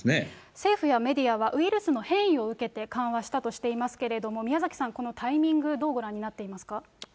政府やメディアは、ウイルスの変異を受けて、緩和したとしていますけれども、宮崎さん、このタイミング、どうご覧になっていますか？